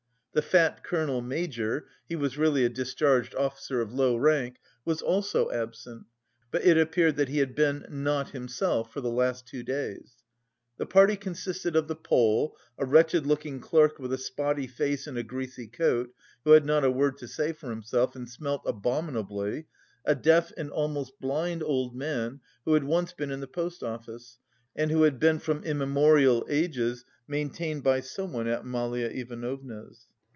The fat colonel major (he was really a discharged officer of low rank) was also absent, but it appeared that he had been "not himself" for the last two days. The party consisted of the Pole, a wretched looking clerk with a spotty face and a greasy coat, who had not a word to say for himself, and smelt abominably, a deaf and almost blind old man who had once been in the post office and who had been from immemorial ages maintained by someone at Amalia Ivanovna's.